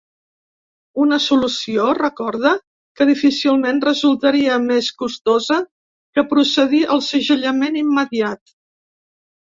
Una solució, recorda, que difícilment resultaria més costosa que procedir al segellament immediat.